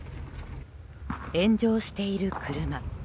炎上している車。